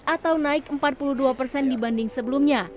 atau naik empat puluh dua persen dibanding sebelumnya